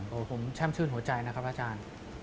ผมแช่มชื่นหัวใจนะครับพระอาจารย์